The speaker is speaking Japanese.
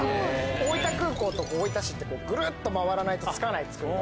大分空港と大分市ってぐるっと回らないと着かない。